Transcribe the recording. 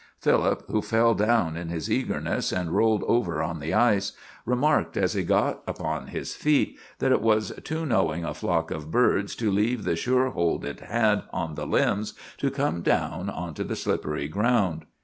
Philip, who fell down in his eagerness, and rolled over on the ice, remarked as he got upon his feet that it was too knowing a flock of birds to leave the sure hold it had on the limbs to come down onto the slippery ground.